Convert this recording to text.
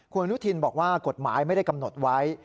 คุณอนุทินบอกว่ากฎหมายไม่ได้กำหนดไว้